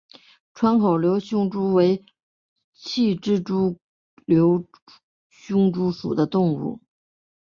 穿孔瘤胸蛛为皿蛛科瘤胸蛛属的动物。